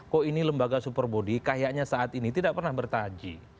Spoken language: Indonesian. kok ini lembaga super body kayaknya saat ini tidak pernah bertaji